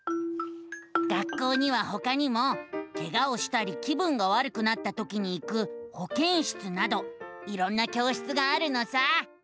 学校にはほかにもケガをしたり気分がわるくなったときに行くほけん室などいろんな教室があるのさ。